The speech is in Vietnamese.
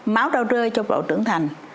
máu ra rơi cho bộ đội tưởng thành